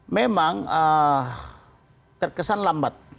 memang terkesan lambat